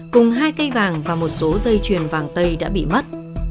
cùng hai cây vàng và một số dây chuyền vàng tây đã bị mất